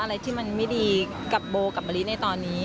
อะไรที่มันไม่ดีกับโบกับมะลิในตอนนี้